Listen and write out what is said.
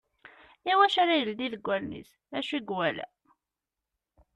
I wacu ara ileddi deg wallen-is? D ucu i yewala?